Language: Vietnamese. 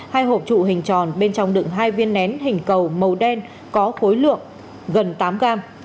hai hộp trụ hình tròn bên trong đựng hai viên nén hình cầu màu đen có khối lượng gần tám gram